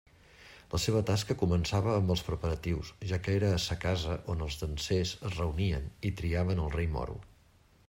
La seua tasca començava amb els preparatius, ja que era a sa casa on els dansers es reunien i triaven el Rei Moro.